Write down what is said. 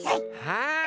はい。